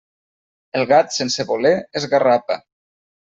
El gat, sense voler, esgarrapa.